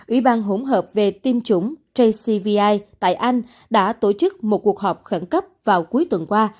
ủy ban hỗn hợp về tiêm chủng jcvi tại anh đã tổ chức một cuộc họp khẩn cấp vào cuối tuần qua